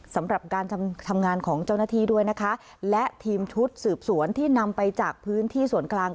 สำหรับการทำงานของเจ้าหน้าที่ด้วยนะคะและทีมชุดสืบสวนที่นำไปจากพื้นที่ส่วนกลาง